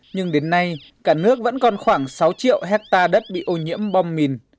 nhưng đến nay cả nước vẫn còn khoảng sáu triệu hectare đất bị ô nhiễm bom mìn